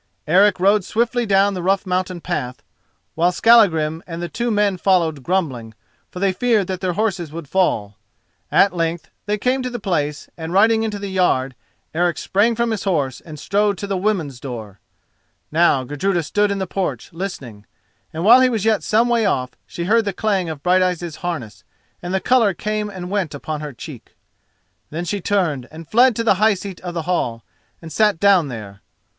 Eric rode swiftly down the rough mountain path, while Skallagrim and the two men followed grumbling, for they feared that their horses would fall. At length they came to the place, and riding into the yard, Eric sprang from his horse and strode to the women's door. Now Gudruda stood in the porch, listening; and while he was yet some way off, she heard the clang of Brighteyen's harness, and the colour came and went upon her cheek. Then she turned and fled to the high seat of the hall, and sat down there.